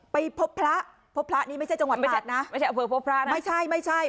ไปพบพระพบพระนี่ไม่ใช่จังหวัดหลัดนะไม่ใช่พบพระนะไม่ใช่ไม่ใช่